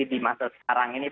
di masa sekarang ini